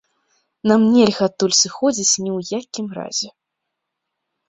Нам нельга адтуль сыходзіць ні ў якім разе.